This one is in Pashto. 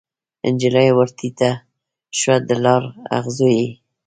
نجلۍ ورټیټه شوه د لار اغزو یې